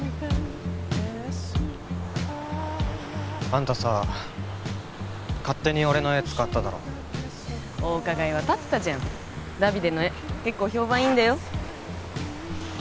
あんたさあ勝手に俺の絵使っただろお伺いは立てたじゃんダビデの絵結構評判いいんだよ